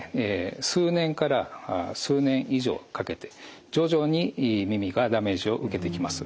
数年から数年以上かけて徐々に耳がダメージを受けてきます。